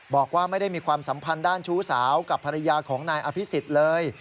บอกว่าไม่ได้มีความสัมพันธ์ด้านชู้สาวกับภรรยาของนายอภิษฎเลย